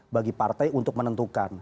bagi partai untuk menentukan